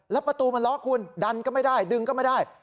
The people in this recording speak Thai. แล้วประตูมันล็อกคุณดันก็ไม่ได้ดึงก็ไม่ได้